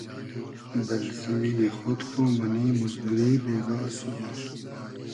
بئل زیمینی خۉد خو مونی موزدوری بېگا سوبا